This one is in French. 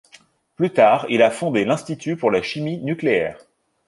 Plus tard il a fondé l'institut pour la chimie nucléaire.